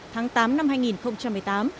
tháng tám năm hai nghìn một mươi tám